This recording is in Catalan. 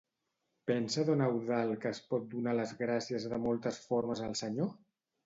Pensa don Eudald que es pot donar les gràcies de moltes formes al senyor?